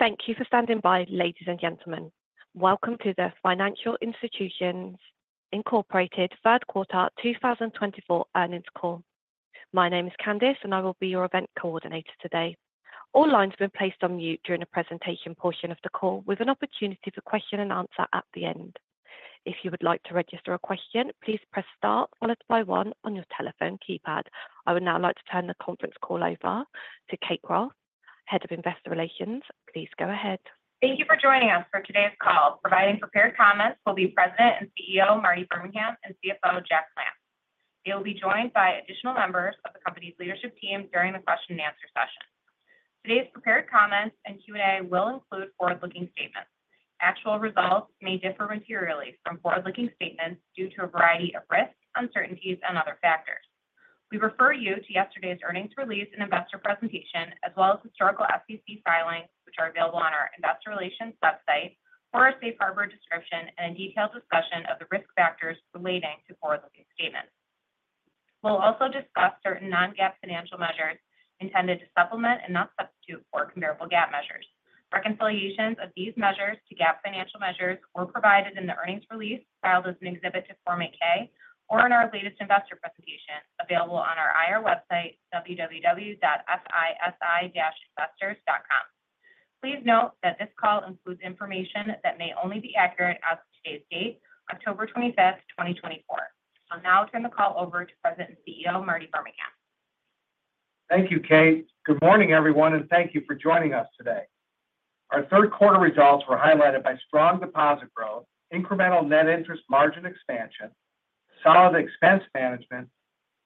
Thank you for standing by, ladies and gentlemen. Welcome to the Financial Institutions Incorporated Q3 two thousand and twenty-four earnings call. My name is Candice, and I will be your event coordinator today. All lines have been placed on mute during the presentation portion of the call, with an opportunity for question and answer at the end. If you would like to register a question, please press star followed by one on your telephone keypad. I would now like to turn the conference call over to Kate Roth, Head of Investor Relations. Please go ahead. Thank you for joining us for today's call. Providing prepared comments will be President and CEO, Marty Birmingham, and CFO, Jack Plants. They will be joined by additional members of the company's leadership team during the question and answer session. Today's prepared comments and Q&A will include forward-looking statements. Actual results may differ materially from forward-looking statements due to a variety of risks, uncertainties, and other factors. We refer you to yesterday's earnings release and investor presentation, as well as historical SEC filings, which are available on our investor relations website for a safe harbor description and a detailed discussion of the risk factors relating to forward-looking statements. We'll also discuss certain non-GAAP financial measures intended to supplement and not substitute for comparable GAAP measures. Reconciliations of these measures to GAAP financial measures were provided in the earnings release filed as an exhibit to Form 8-K or in our latest investor presentation, available on our IR website, www.fisi-investors.com. Please note that this call includes information that may only be accurate as of today's date, October twenty-fifth, twenty twenty-four. I'll now turn the call over to President and CEO, Marty Birmingham. Thank you, Kate. Good morning, everyone, and thank you for joining us today. Our Q3 results were highlighted by strong deposit growth, incremental net interest margin expansion, solid expense management,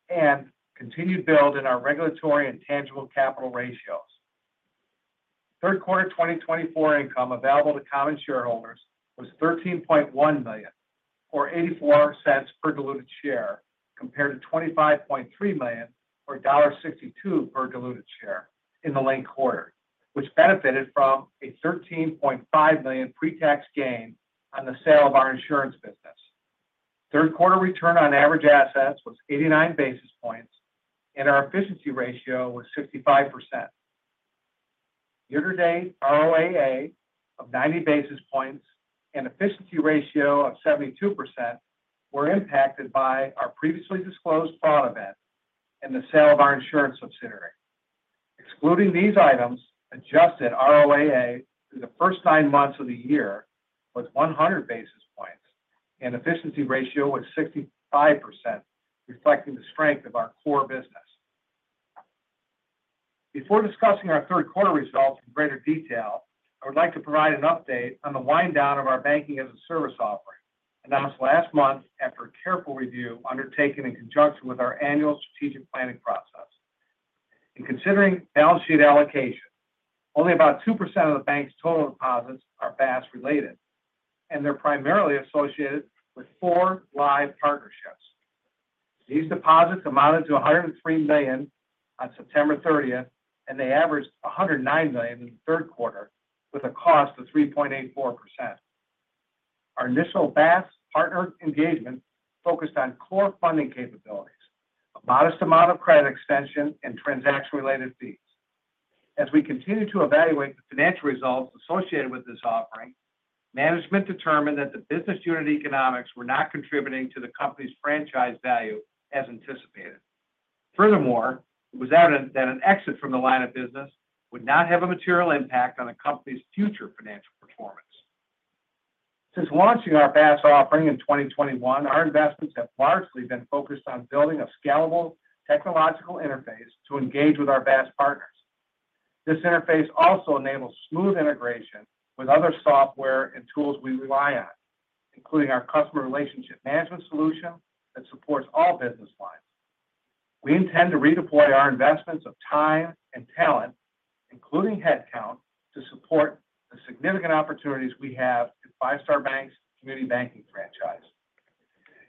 and continued build in our regulatory and tangible capital ratios. Q3 2024 income available to common shareholders was $13.1 million, or 84 cents per diluted share, compared to $25.3 million, or $1.62 per diluted share in the linked quarter, which benefited from a $13.5 million pre-tax gain on the sale of our insurance business. Q3 return on average assets was 89 basis points, and our efficiency ratio was 65%. Year-to-date ROAA of 90 basis points and efficiency ratio of 72% were impacted by our previously disclosed fraud event and the sale of our insurance subsidiary. Excluding these items, adjusted ROAA through the first nine months of the year was 100 basis points and efficiency ratio was 65%, reflecting the strength of our core business. Before discussing our Q3 results in greater detail, I would like to provide an update on the wind down of our Banking-as-a-Service offering, announced last month after a careful review undertaken in conjunction with our annual strategic planning process. In considering balance sheet allocation, only about 2% of the bank's total deposits are BaaS related, and they're primarily associated with 4 live partnerships. These deposits amounted to $103 million on September thirtieth, and they averaged $109 million in the Q3, with a cost of 3.84%. Our initial BaaS partner engagement focused on core funding capabilities, a modest amount of credit extension, and transaction-related fees. As we continued to evaluate the financial results associated with this offering, management determined that the business unit economics were not contributing to the company's franchise value as anticipated. Furthermore, it was evident that an exit from the line of business would not have a material impact on the company's future financial performance. Since launching our BaaS offering in 2021, our investments have largely been focused on building a scalable technological interface to engage with our BaaS partners. This interface also enables smooth integration with other software and tools we rely on, including our customer relationship management solution that supports all business lines. We intend to redeploy our investments of time and talent, including headcount, to support the significant opportunities we have in Five Star Bank's community banking franchise.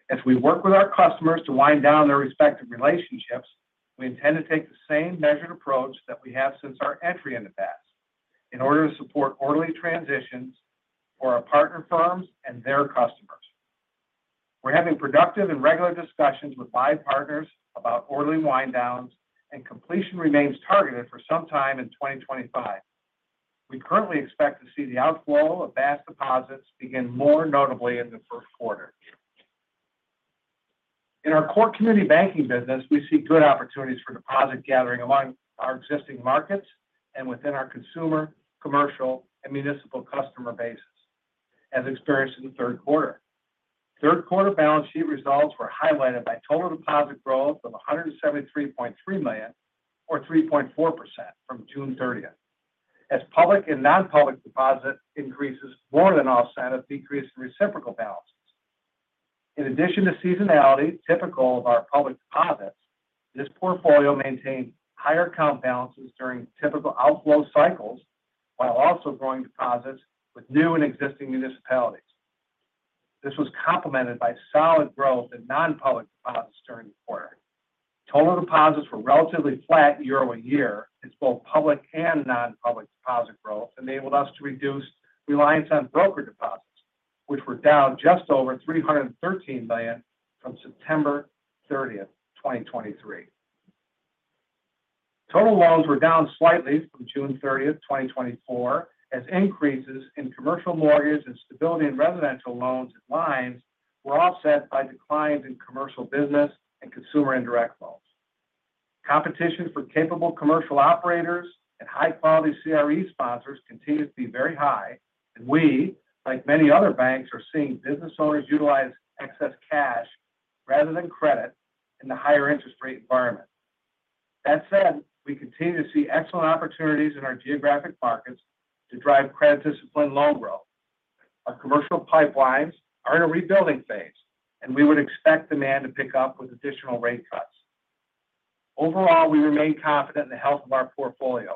As we work with our customers to wind down their respective relationships, we intend to take the same measured approach that we have since our entry into BaaS in order to support orderly transitions for our partner firms and their customers. We're having productive and regular discussions with five partners about orderly wind downs and completion remains targeted for sometime in twenty twenty-five. We currently expect to see the outflow of BaaS deposits begin more notably in the first quarter. In our core community banking business, we see good opportunities for deposit gathering among our existing markets and within our consumer, commercial, and municipal customer bases as experienced in the Q3. Q3 balance sheet results were highlighted by total deposit growth of $173.3 million or 3.4% from June 30, as public and non-public deposit increases more than offset a decrease in reciprocal balances. In addition to seasonality typical of our public deposits, this portfolio maintained higher comp balances during typical outflow cycles, while also growing deposits with new and existing municipalities. This was complemented by solid growth in non-public deposits during the quarter. Total deposits were relatively flat year-over -year, as both public and non-public deposit growth enabled us to reduce reliance on brokered deposits, which were down just over $313 million from September 30, 2023.... Total loans were down slightly from June thirtieth, twenty twenty-four, as increases in commercial mortgages and stability in residential loans and lines were offset by declines in commercial business and consumer indirect loans. Competition for capable commercial operators and high quality CRE sponsors continue to be very high, and we, like many other banks, are seeing business owners utilize excess cash rather than credit in the higher interest rate environment. That said, we continue to see excellent opportunities in our geographic markets to drive credit discipline loan growth. Our commercial pipelines are in a rebuilding phase, and we would expect demand to pick up with additional rate cuts. Overall, we remain confident in the health of our portfolios.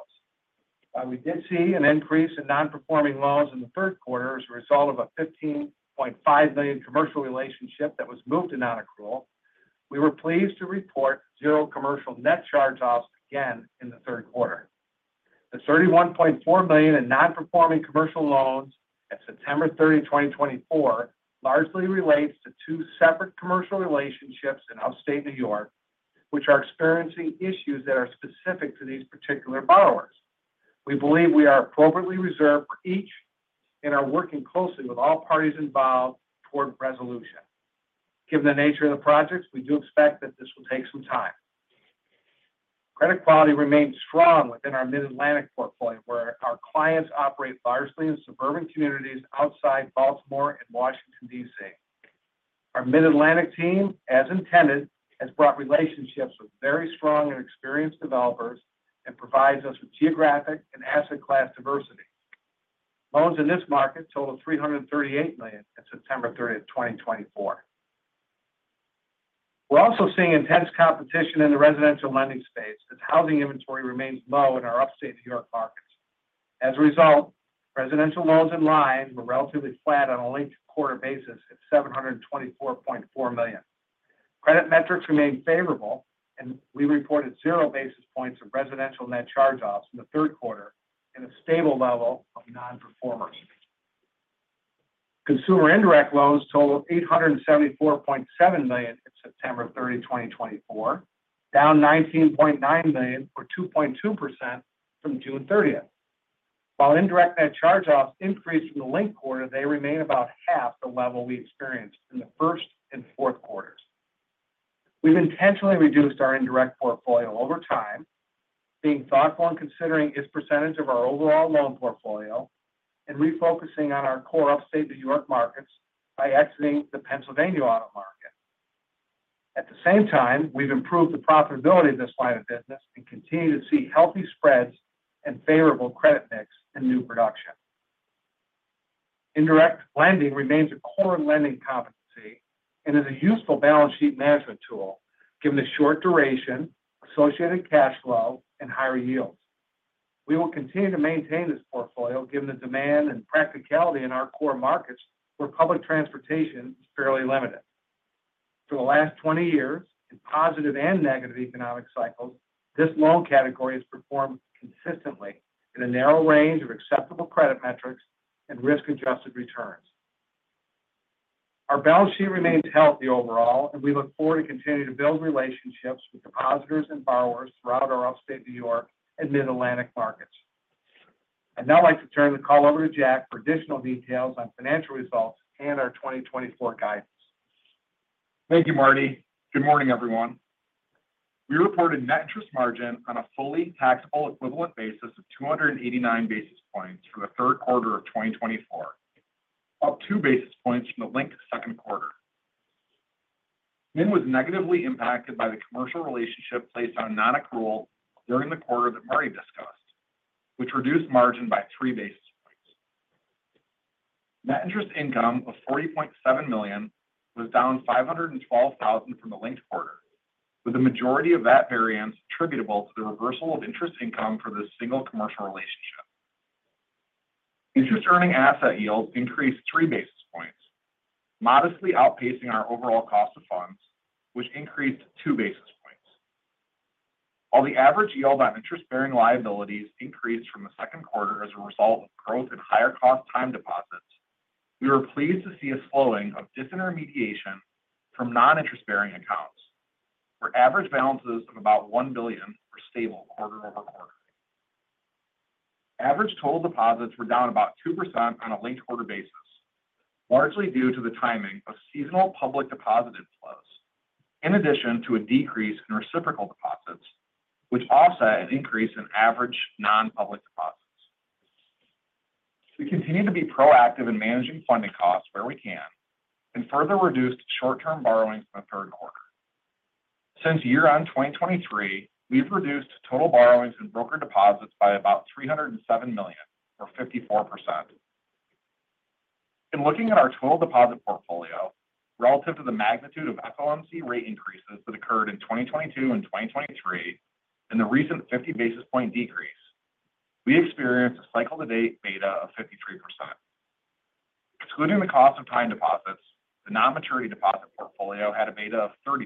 While we did see an increase in non-performing loans in the Q3 as a result of a $15.5 million commercial relationship that was moved to non-accrual, we were pleased to report zero commercial net charge-offs again in the Q3. The $31.4 million in non-performing commercial loans at September 30, 2024, largely relates to two separate commercial relationships in Upstate New York, which are experiencing issues that are specific to these particular borrowers. We believe we are appropriately reserved for each and are working closely with all parties involved toward resolution. Given the nature of the projects, we do expect that this will take some time. Credit quality remains strong within our Mid-Atlantic portfolio, where our clients operate largely in suburban communities outside Baltimore and Washington, D.C. Our Mid-Atlantic team, as intended, has brought relationships with very strong and experienced developers and provides us with geographic and asset class diversity. Loans in this market totaled $338 million at September 30, 2024. We're also seeing intense competition in the residential lending space as housing inventory remains low in our Upstate New York markets. As a result, residential loans and lines were relatively flat on a linked quarter basis at $724.4 million. Credit metrics remained favorable, and we reported zero basis points of residential net charge-offs in the Q3 and a stable level of non-performers. Consumer indirect loans totaled $874.7 million at September 30, 2024, down $19.9 million, or 2.2% from June 30. While indirect net charge-offs increased in the linked quarter, they remain about half the level we experienced in the first and Q4s. We've intentionally reduced our indirect portfolio over time, being thoughtful and considering its percentage of our overall loan portfolio and refocusing on our core Upstate New York markets by exiting the Pennsylvania auto market. At the same time, we've improved the profitability of this line of business and continue to see healthy spreads and favorable credit mix in new production. Indirect lending remains a core lending competency and is a useful balance sheet management tool, given the short duration, associated cash flow, and higher yields. We will continue to maintain this portfolio, given the demand and practicality in our core markets where public transportation is fairly limited. For the last twenty years, in positive and negative economic cycles, this loan category has performed consistently in a narrow range of acceptable credit metrics and risk-adjusted returns. Our balance sheet remains healthy overall, and we look forward to continuing to build relationships with depositors and borrowers throughout our Upstate New York and Mid-Atlantic markets. I'd now like to turn the call over to Jack for additional details on financial results and our 2024 guidance. Thank you, Marty. Good morning, everyone. We reported net interest margin on a fully taxable equivalent basis of 289 basis points for the Q3 of 2024, up 2 basis points from the linked Q2. NIM was negatively impacted by the commercial relationship placed on non-accrual during the quarter that Marty discussed, which reduced margin by 3 basis points. Net interest income of $40.7 million was down $512,000 from the linked quarter, with the majority of that variance attributable to the reversal of interest income for this single commercial relationship. Interest earning asset yields increased 3 basis points, modestly outpacing our overall cost of funds, which increased 2 basis points. While the average yield on interest-bearing liabilities increased from the Q2 as a result of growth in higher cost time deposits, we were pleased to see a slowing of disintermediation from non-interest-bearing accounts, where average balances of about $1 billion were stable quarter-over-quarter. Average total deposits were down about 2% on a linked quarter basis, largely due to the timing of seasonal public deposit inflows, in addition to a decrease in reciprocal deposits, which offset an increase in average non-public deposits. We continue to be proactive in managing funding costs where we can and further reduced short-term borrowings in the Q3. Since year-end 2023, we've reduced total borrowings and broker deposits by about $307 million, or 54%. In looking at our total deposit portfolio relative to the magnitude of FOMC rate increases that occurred in 2022 and 2023 and the recent 50 basis point decrease, we experienced a cycle-to-date beta of 53%. Excluding the cost of time deposits, the non-maturity deposit portfolio had a beta of 32%.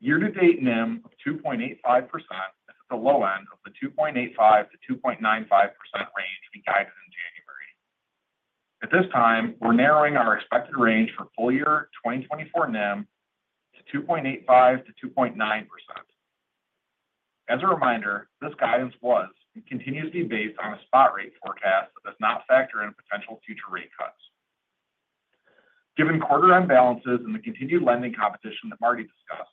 Year-to-date NIM of 2.85% is at the low end of the 2.85%-2.95% range we guided. At this time, we're narrowing our expected range for full-year 2024 NIM to 2.85%-2.9%. As a reminder, this guidance was and continues to be based on a spot rate forecast that does not factor in potential future rate cuts. Given quarter-end balances and the continued lending competition that Marty discussed,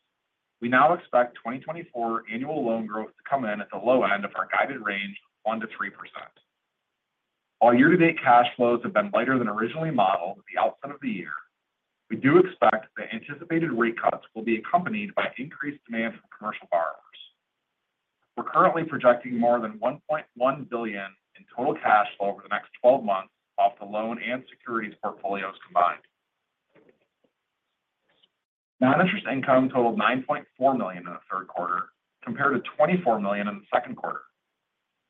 we now expect 2024 annual loan growth to come in at the low end of our guided range, 1-3%. While year-to-date cash flows have been lighter than originally modeled at the outset of the year, we do expect the anticipated rate cuts will be accompanied by increased demand from commercial borrowers. We're currently projecting more than $1.1 billion in total cash flow over the next twelve months off the loan and securities portfolios combined. Non-interest income totaled $9.4 million in the Q3, compared to $24 million in the Q2,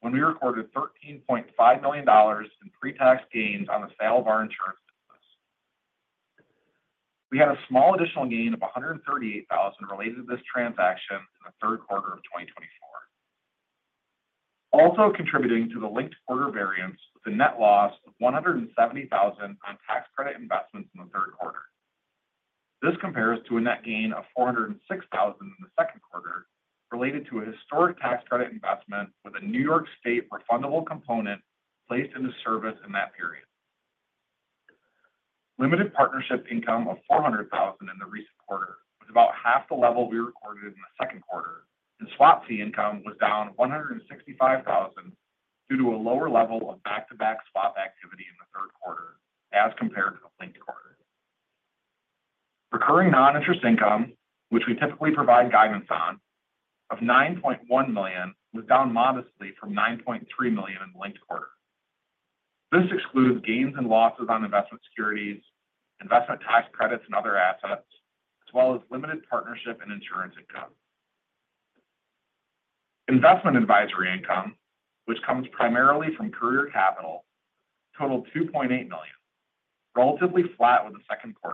when we recorded $13.5 million in pre-tax gains on the sale of our insurance business. We had a small additional gain of $138,000 related to this transaction in the Q3 of twenty twenty-four. Also contributing to the linked quarter variance was a net loss of $170,000 on tax credit investments in the Q3. This compares to a net gain of $406,000 in the Q2, related to a historic tax credit investment with a New York State refundable component placed into service in that period. Limited partnership income of $400,000 in the recent quarter was about half the level we recorded in the Q2, and swap fee income was down $165,000 due to a lower level of back-to-back swap activity in the Q3 as compared to the linked quarter. Recurring non-interest income, which we typically provide guidance on, of $9.1 million, was down modestly from $9.3 million in the linked quarter. This excludes gains and losses on investment securities, investment tax credits, and other assets, as well as limited partnership and insurance income. Investment advisory income, which comes primarily from Courier Capital, totaled $2.8 million, relatively flat with the Q2.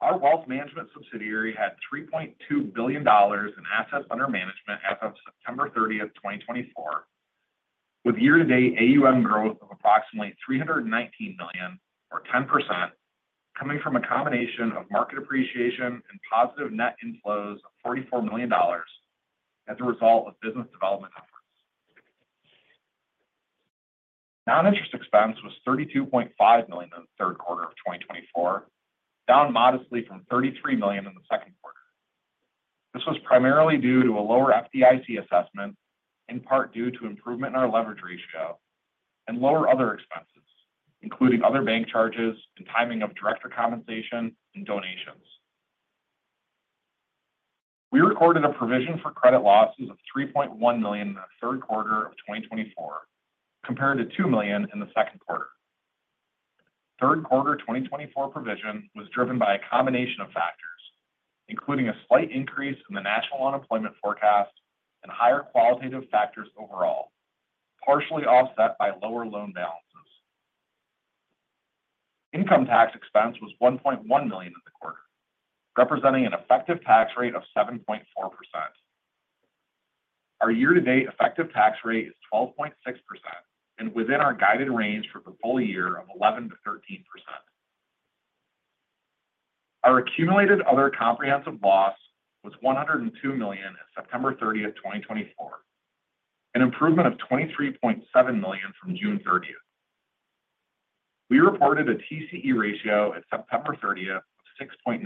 Our wealth management subsidiary had $3.2 billion in assets under management as of September thirtieth, 2024, with year-to-date AUM growth of approximately $319 million or 10%, coming from a combination of market appreciation and positive net inflows of $44 million as a result of business development efforts. Non-interest expense was $32.5 million in the Q3 of 2024, down modestly from $33 million in the Q2. This was primarily due to a lower FDIC assessment, in part due to improvement in our leverage ratio and lower other expenses, including other bank charges and timing of director compensation and donations. We recorded a provision for credit losses of $3.1 million in the Q3 of 2024, compared to $2 million in the Q2. Q3 2024 provision was driven by a combination of factors, including a slight increase in the national unemployment forecast and higher qualitative factors overall, partially offset by lower loan balances. Income tax expense was $1.1 million in the quarter, representing an effective tax rate of 7.4%. Our year-to-date effective tax rate is 12.6% and within our guided range for the full year of 11%-13%. Our accumulated other comprehensive loss was $102 million as of September 30, 2024, an improvement of $23.7 million from June 30. We reported a TCE ratio at September 30 of 6.93%.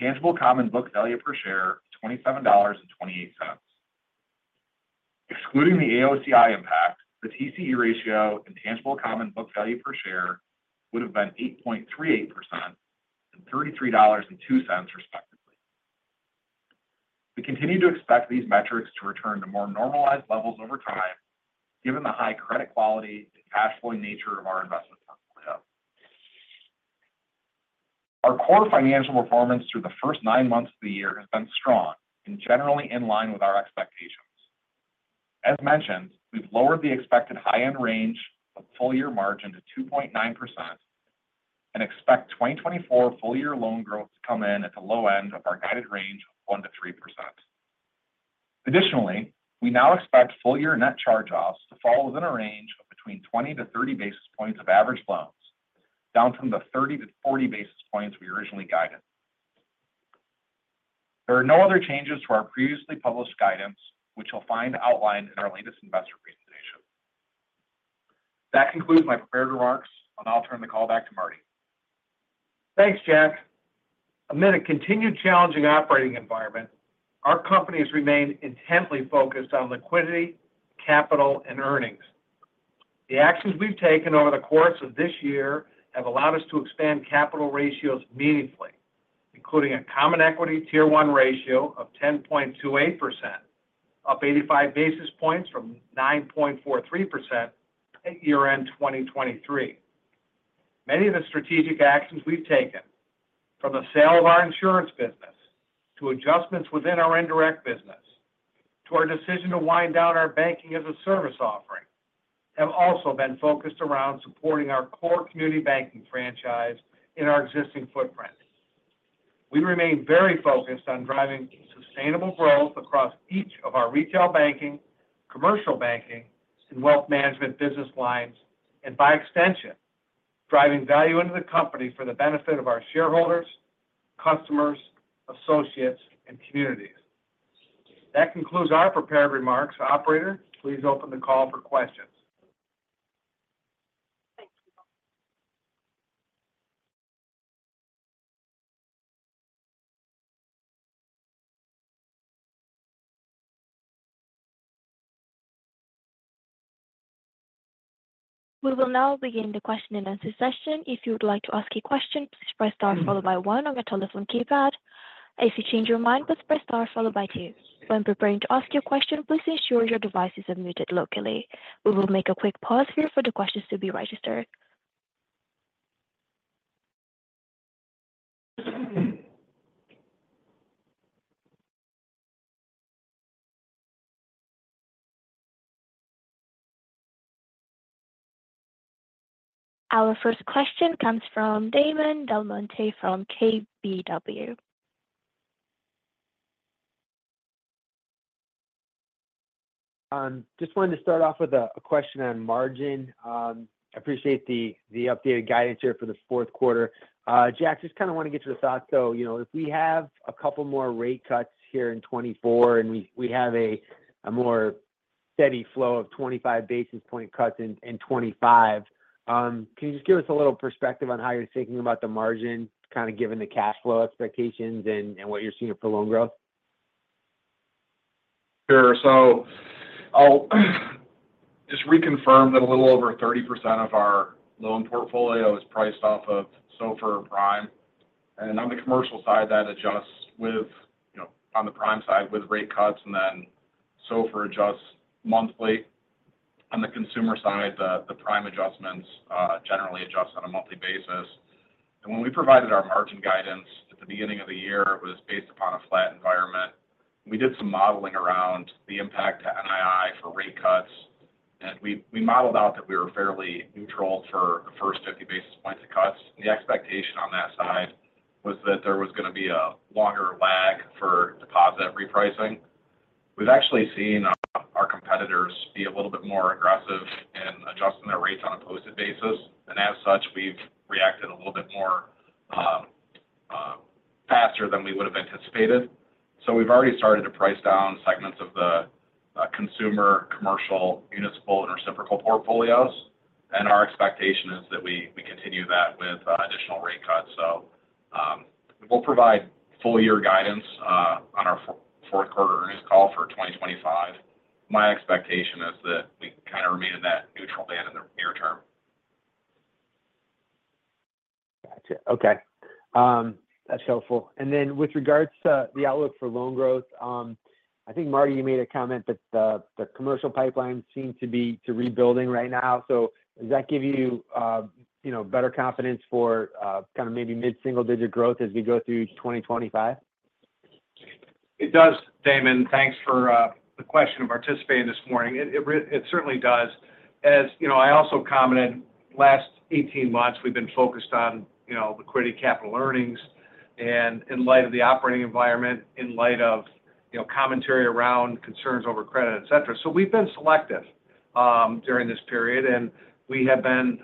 Tangible common book value per share, $27.28. Excluding the AOCI impact, the TCE ratio and tangible common book value per share would have been 8.38% and $33.02, respectively. We continue to expect these metrics to return to more normalized levels over time, given the high credit quality and cash flow nature of our investment portfolio. Our core financial performance through the first nine months of the year has been strong and generally in line with our expectations. As mentioned, we've lowered the expected high-end range of full year margin to 2.9% and expect 2024 full year loan growth to come in at the low end of our guided range of 1-3%. Additionally, we now expect full year net charge-offs to fall within a range of between 20-30 basis points of average loans, down from the 30-40 basis points we originally guided. There are no other changes to our previously published guidance, which you'll find outlined in our latest investor presentation. That concludes my prepared remarks, and I'll turn the call back to Marty. Thanks, Jack. Amid a continued challenging operating environment, our company has remained intently focused on liquidity, capital, and earnings. The actions we've taken over the course of this year have allowed us to expand capital ratios meaningfully, including a Common Equity Tier 1 ratio of 10.28%, up 85 basis points from 9.43% at year-end 2023. Many of the strategic actions we've taken, from the sale of our insurance business to adjustments within our indirect business, to our decision to wind down our banking-as-a-service offering, have also been focused around supporting our core community banking franchise in our existing footprint.... We remain very focused on driving sustainable growth across each of our retail banking, commercial banking, and wealth management business lines, and by extension, driving value into the company for the benefit of our shareholders, customers, associates, and communities. That concludes our prepared remarks. Operator, please open the call for questions. Thank you. We will now begin the question-and-answer session. If you would like to ask a question, please press star followed by one on your telephone keypad. If you change your mind, please press star followed by two. When preparing to ask your question, please ensure your device is muted locally. We will make a quick pause here for the questions to be registered. Our first question comes from Damon DelMonte from KBW. Just wanted to start off with a question on margin. I appreciate the updated guidance here for the Q4. Jack, just kind of want to get your thoughts, though. You know, if we have a couple more rate cuts here in 2024, and we have a more steady flow of twenty-five basis point cuts in 2025, can you just give us a little perspective on how you're thinking about the margin, kind of given the cash flow expectations and what you're seeing for loan growth? Sure. I'll just reconfirm that a little over 30% of our loan portfolio is priced off of SOFR, Prime. On the commercial side, that adjusts with, you know, on the Prime side, with rate cuts, and then SOFR adjusts monthly. On the consumer side, the Prime adjustments generally adjust on a monthly basis. When we provided our margin guidance at the beginning of the year, it was based upon a flat environment. We did some modeling around the impact to NII for rate cuts, and we modeled out that we were fairly neutral for the first 50 basis points of cuts. The expectation on that side was that there was going to be a longer lag for deposit repricing. We've actually seen our competitors be a little bit more aggressive in adjusting their rates on a posted basis, and as such, we've reacted a little bit more faster than we would have anticipated. So we've already started to price down segments of the consumer, commercial, municipal, and reciprocal portfolios, and our expectation is that we continue that with additional rate cuts. So we'll provide full year guidance on our Q4 earnings call for twenty twenty-five. My expectation is that we kind of remain in that neutral band in the near term. Gotcha. Okay. That's helpful. And then with regards to the outlook for loan growth, I think, Marty, you made a comment that the commercial pipeline seemed to be rebuilding right now. So does that give you, you know, better confidence for kind of maybe mid-single-digit growth as we go through twenty twenty-five? It does, Damon. Thanks for the question and participating this morning. It certainly does. As you know, I also commented last eighteen months, we've been focused on, you know, liquidity, capital, earnings, and in light of the operating environment, in light of, you know, commentary around concerns over credit, et cetera. So we've been selective during this period, and we have been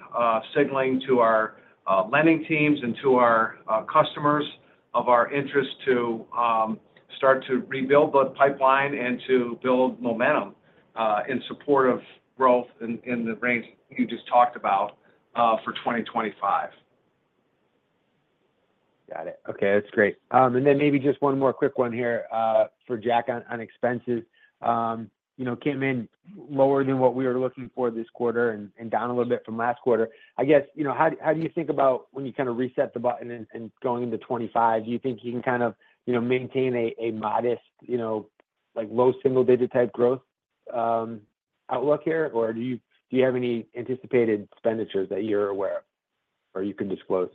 signaling to our lending teams and to our customers of our interest to start to rebuild the pipeline and to build momentum in support of growth in the range you just talked about for twenty twenty-five. Got it. Okay, that's great, and then maybe just one more quick one here for Jack on expenses. You know, came in lower than what we were looking for this quarter and down a little bit from last quarter. I guess, you know, how do you think about when you kind of reset the button and going into twenty twenty-five? Do you think you can kind of, you know, maintain a modest, you know, like, low single digit type growth outlook here, or do you have any anticipated expenditures that you're aware of or you can disclose?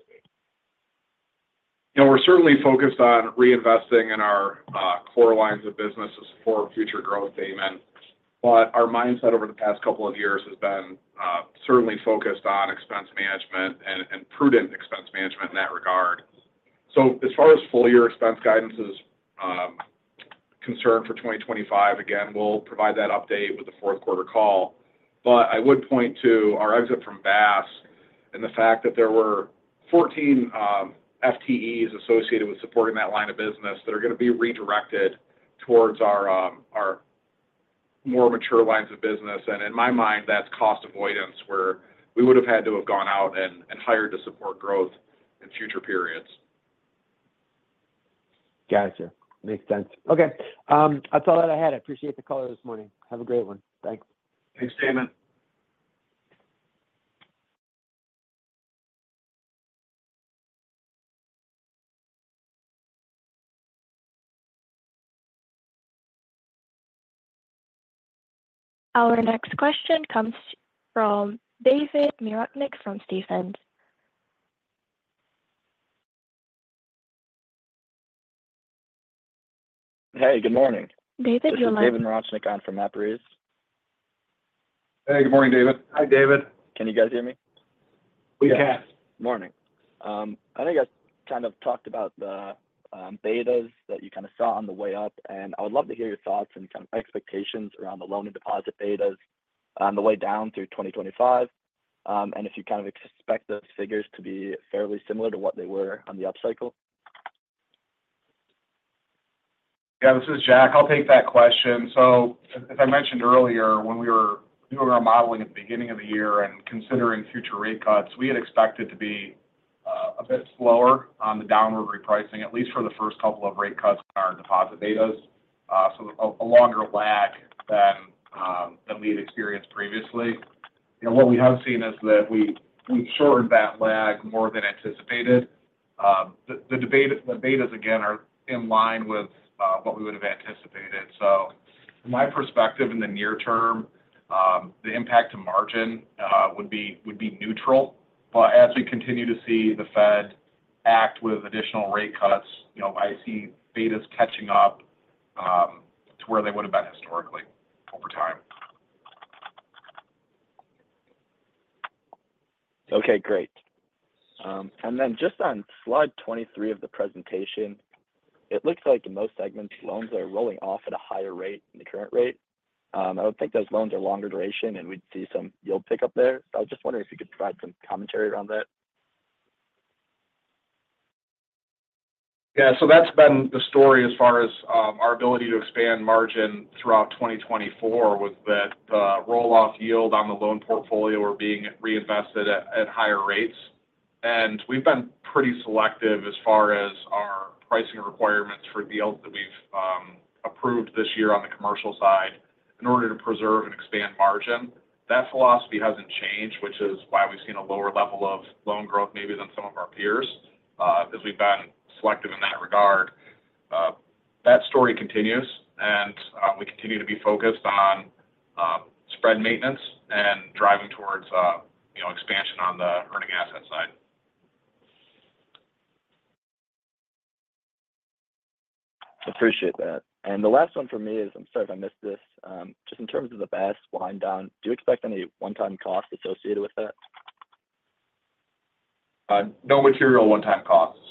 You know, we're certainly focused on reinvesting in our core lines of business to support future growth, Damon, but our mindset over the past couple of years has been certainly focused on expense management and prudent expense management in that regard. So as far as full year expense guidance is concerned for 2025, again, we'll provide that update with the Q4 call. But I would point to our exit from BaaS and the fact that there were 14 FTEs associated with supporting that line of business that are going to be redirected towards our more mature lines of business. And in my mind, that's cost avoidance, where we would have had to have gone out and hired to support growth in future periods. Got it, sir. Makes sense. Okay, that's all that I had. I appreciate the call this morning. Have a great one. Thanks. Thanks, Damon. Our next question comes from David Miernik from Stephens. Hey``good morning. David, you're live. This is David Miernik from Stephens. Hey, good morning, David. Hi, David. Can you guys hear me? We can. Morning. I think I kind of talked about the betas that you kind of saw on the way up, and I would love to hear your thoughts and kind of expectations around the loan and deposit betas on the way down through twenty twenty-five, and if you kind of expect those figures to be fairly similar to what they were on the upcycle. Yeah, this is Jack. I'll take that question. So as I mentioned earlier, when we were doing our modeling at the beginning of the year and considering future rate cuts, we had expected to be a bit slower on the downward repricing, at least for the first couple of rate cuts in our deposit betas. So a longer lag than we had experienced previously. And what we have seen is that we, we've shortened that lag more than anticipated. The betas, again, are in line with what we would have anticipated. So from my perspective, in the near term, the impact to margin would be neutral. But as we continue to see the Fed act with additional rate cuts, you know, I see betas catching up to where they would've been historically over time. Okay, great. And then just on slide 23 of the presentation, it looks like in most segments, loans are rolling off at a higher rate than the current rate. I would think those loans are longer duration, and we'd see some yield pickup there. I was just wondering if you could provide some commentary around that. Yeah, so that's been the story as far as our ability to expand margin throughout twenty twenty-four was that the roll-off yield on the loan portfolio were being reinvested at higher rates. And we've been pretty selective as far as our pricing requirements for deals that we've approved this year on the commercial side in order to preserve and expand margin. That philosophy hasn't changed, which is why we've seen a lower level of loan growth maybe than some of our peers because we've been selective in that regard. That story continues, and we continue to be focused on spread maintenance and driving towards you know expansion on the earning asset side. Appreciate that. And the last one for me is, I'm sorry if I missed this, just in terms of the BaaS wind down, do you expect any one-time cost associated with that? No material one-time costs.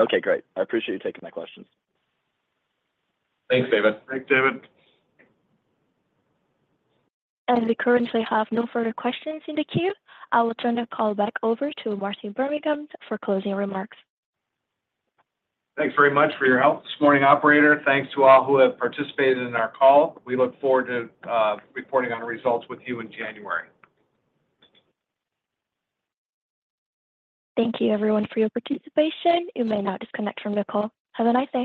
Okay, great. I appreciate you taking my questions. Thanks, David. Thanks, David. As we currently have no further questions in the queue, I will turn the call back over to Martin Birmingham for closing remarks. Thanks very much for your help this morning, operator. Thanks to all who have participated in our call. We look forward to reporting on the results with you in January. Thank you, everyone, for your participation. You may now disconnect from the call. Have a nice day.